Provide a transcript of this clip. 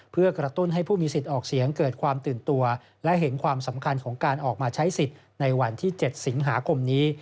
เพื่อกระตุ้นให้ผู้มีสิทธิ์ออกเสียงเกิดความตื่นตัวและเห็นความสำคัญของการออกมาใช้สิทธิ์ในวันที่๗สิงหาคมนี้